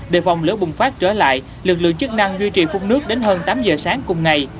đề phòng lửa bùng phát trở lại lực lượng chức năng duy trì phun nước đến hơn tám giờ sáng cùng ngày